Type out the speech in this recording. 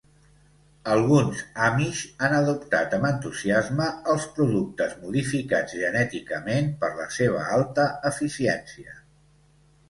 Alguns amish han adoptat amb entusiasme els productes modificats genèticament per la seva alta eficiència.